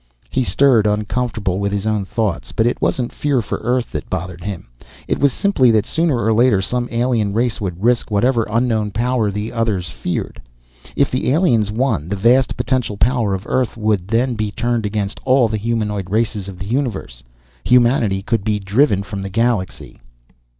He stirred, uncomfortable with his own thoughts. But it wasn't fear for Earth that bothered him. It was simply that sooner or later some alien race would risk whatever unknown power the others feared. If the aliens won, the vast potential power of Earth would then be turned against all the humanoid races of the universe. Humanity could be driven from the galaxy.